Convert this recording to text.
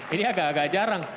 ini agak jarang